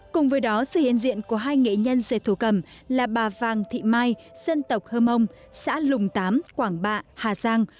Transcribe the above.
cùng với đó sự hiện diện của hai nghệ nhân dệt thổ cầm là bà vàng thị mai dân tộc hơ mông xã lùng tám quảng bạ hà giang